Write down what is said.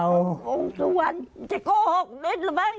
วงสุวรรณจะโกหกนิดหรือเปล่า